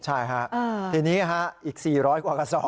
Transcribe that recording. ใช่ฮะทีนี้อีก๔๐๐กว่ากระสอบ